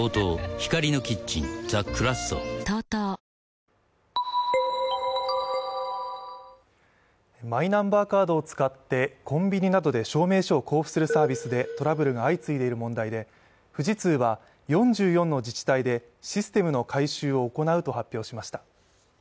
光のキッチンザ・クラッソマイナンバーカードを使ってコンビニなどで証明書を交付するサービスで、トラブルが相次いでいる問題で、富士通は４４の自治体で、システムの改修を行うと発表しました。